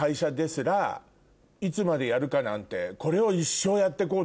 いつまでやるかなんて。